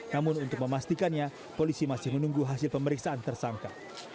namun untuk memastikannya polisi masih menunggu hasil pemeriksaan tersangka